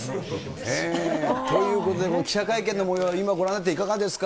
ということで、記者会見のもようを今ご覧になっていかがですか？